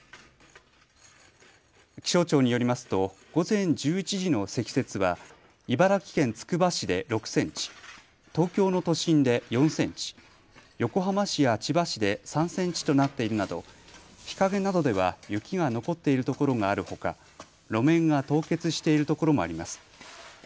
気象庁によりますと午前１１時の積雪は茨城県つくば市で６センチ、東京の都心で４センチ、横浜市や千葉市で３センチとなっているなど日陰などでは雪が残っているところがあるほか路面が凍結しているところもあります。